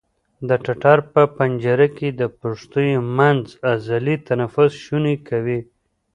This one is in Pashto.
د ټټر په پنجره کې د پښتیو منځ عضلې تنفس شونی کوي.